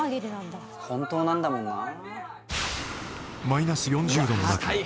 マイナス４０度の中